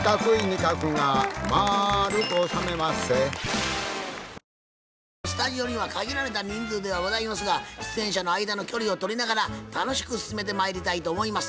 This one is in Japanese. さあ今日もスタジオには限られた人数ではございますが出演者の間の距離を取りながら楽しく進めてまいりたいと思います。